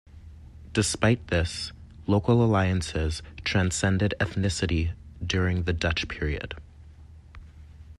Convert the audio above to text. Despite this, local alliances transcended ethnicity during the Dutch period.